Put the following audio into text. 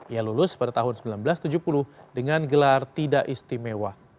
ia lulus pada tahun seribu sembilan ratus tujuh puluh dengan gelar tidak istimewa